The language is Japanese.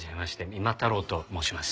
三馬太郎と申します。